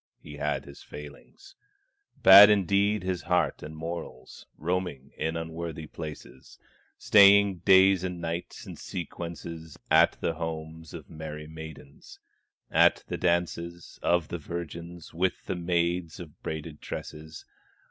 he had his failings, Bad indeed his heart and morals, Roaming in unworthy places, Staying days and nights in sequence At the homes of merry maidens, At the dances of the virgins, With the maids of braided tresses.